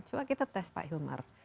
coba kita tes pak hilmar